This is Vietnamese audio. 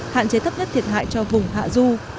hạn chế thấp nhất thiệt hại cho vùng hạ du